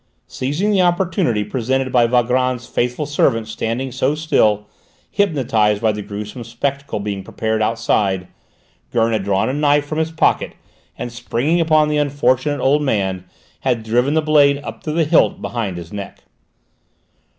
Seizing the opportunity presented by Valgrand's faithful servant standing so still, hypnotised by the gruesome spectacle being prepared outside, Gurn had drawn a knife from his pocket, and, springing on the unfortunate old man, had driven the blade up to the hilt behind his neck.